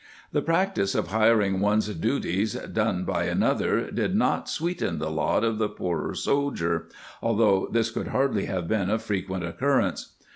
^ The practice of hiring one's duties done by an other did not sweeten the lot of the poorer sol dier,® although this could hardly have been of frequent occurrence.